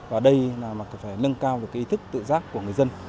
và đây là phải nâng cao ý thức tự giác của người dân